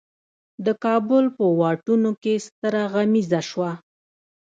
د کابل په واټونو کې ستره غمیزه شوه.